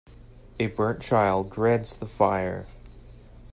A burnt child dreads the fire.